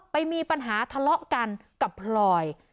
ไปมีปัญหาทะเลาะกันกับพลอย